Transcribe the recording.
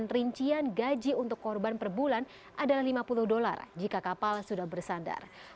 rincian gaji untuk korban per bulan adalah lima puluh dolar jika kapal sudah bersandar